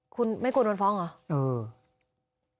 คุณไม่กลัวโดนฟ้องเหรอ